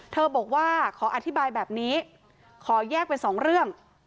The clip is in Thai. บอกว่าขออธิบายแบบนี้ขอแยกเป็นสองเรื่อง